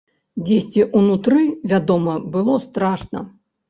Дзесьці ўнутры, вядома, было страшна.